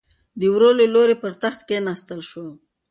د ورور له لوري پر تخت کېناستل شو.